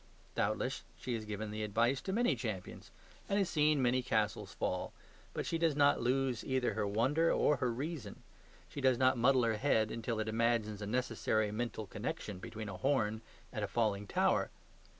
Doubtless she has given the advice to many champions, and has seen many castles fall, but she does not lose either her wonder or her reason. She does not muddle her head until it imagines a necessary mental connection between a horn and a falling tower.